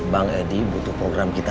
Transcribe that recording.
bang edi butuh program kita